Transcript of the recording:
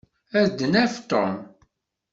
Ad d-naf Tom.